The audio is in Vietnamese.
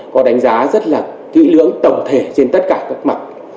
có đánh giá rất là kỹ lưỡng tổng thể trên tất cả các mặt